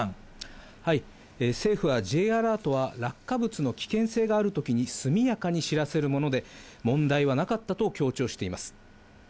政府はＪアラートは、落下物の危険性があるときに、速やかに知らせるもので、問題はなかったと強調しています。